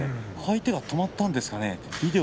相手が止まったんですかね、と。